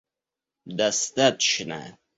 достаточно